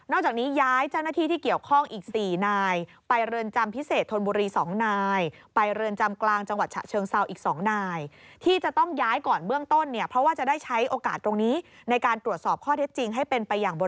นอกจากนี้ย้ายเจ้าหน้าที่ที่เกี่ยวข้องอีก๔นาย